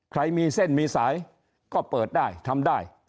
ใครมีเส้นมีสายก็เปิดได้ทำได้